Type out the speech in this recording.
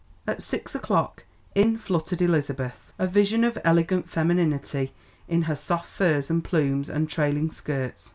At six o'clock in fluttered Elizabeth, a vision of elegant femininity in her soft furs and plumes and trailing skirts.